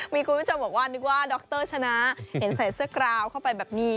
มีคุณผู้ชมบอกว่านึกว่าดรชนะเห็นใส่เสื้อกราวเข้าไปแบบนี้